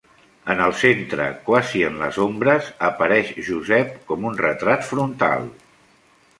En el centre, quasi en les ombres, apareix Josep com un retrat frontal.